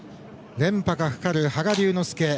連覇がかかる羽賀龍之介。